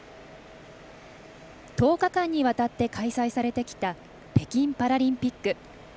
１０日間にわたって開催されてきた北京パラリンピック。